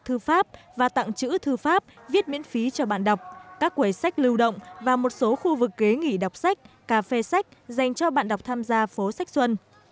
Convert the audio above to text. phố sách xuân được tạo ra bằng thư pháp và tặng chữ thư pháp viết miễn phí cho bạn đọc các quầy sách lưu động và một số khu vực kế nghỉ đọc sách cà phê sách dành cho bạn đọc tham gia phố sách xuân